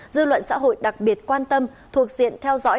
dư luận xã hội đặc biệt quan tâm thuộc diện theo dõi